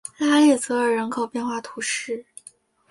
拉利佐尔人口变化图示